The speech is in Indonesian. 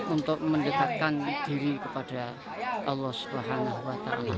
untuk mendekatkan diri kepada allah swt